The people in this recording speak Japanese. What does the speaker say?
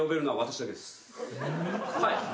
はい。